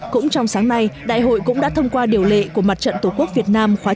cũng trong sáng nay đại hội cũng đã thông qua điều lệ của mặt trận tổ quốc việt nam khóa chín